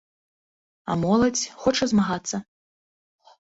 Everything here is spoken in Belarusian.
А моладзь хоча змагацца.